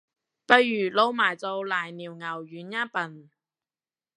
不如撈埋做瀨尿牛丸吖笨